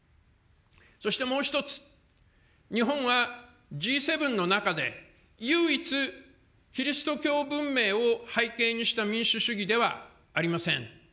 そしてもう一つ、日本はＧ７の中で、唯一、キリスト教文明を背景にした民主主義ではありません。